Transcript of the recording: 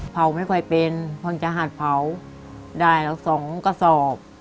เผาไม่ค่อยเป็นพรรจาหัสเผาได้แล้ว๒กระสอบ